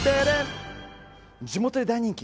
地元で大人気！